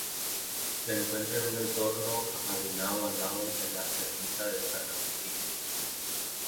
Se encuentra en un entorno ajardinado al lado de la Ermita de San Agustín.